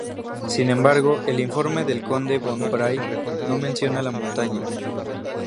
Sin embargo, el informe del conde von Bray no menciona la montaña.